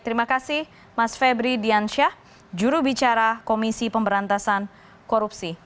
terima kasih mas febri diansyah jurubicara komisi pemberantasan korupsi